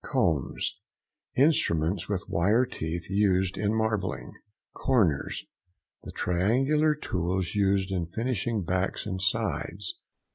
COMBS.—Instruments with wire teeth used in marbling. CORNERS.—The triangular tools used in finishing backs and sides.